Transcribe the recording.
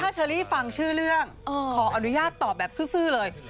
เชอรี่ฟังชื่อเรื่องขออนุญาตตอบแบบซื่อเลย